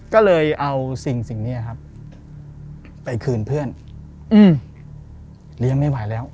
ก็เลยเอาสิ่งนี้ครับไปคืนเพื่อนเลี้ยงไม่ไหวแล้ว